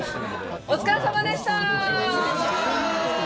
お疲れ様でした。